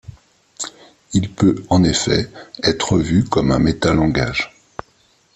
Il peut en effet être vu comme un métalangage.